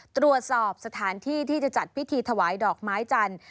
ตรวจสอบสถานที่ที่จะจัดพิธีถวายดอกไม้จันทร์